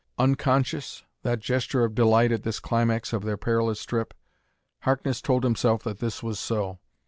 Unconscious, that gesture of delight at this climax of their perilous trip? Harkness told himself that this was so.